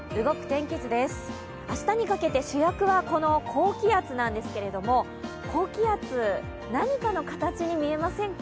明日にかけて主役はこの高気圧なんですけれども、高気圧、何かの形に見えませんか？